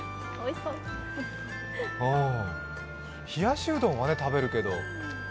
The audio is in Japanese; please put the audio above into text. ひやしうどんは食べるけど。